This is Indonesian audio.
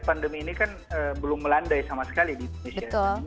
pandemi ini kan belum melandai sama sekali di indonesia